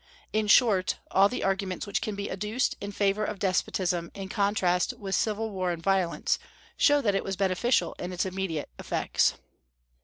In short, all the arguments which can be adduced in favor of despotism in contrast with civil war and violence, show that it was beneficial in its immediate effects.